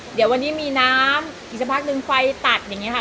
เดี๋ยววันนี้มีน้ำอีกสักพักนึงไฟตัดอย่างนี้ค่ะ